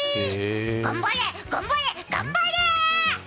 頑張れ、頑張れ、頑張れ。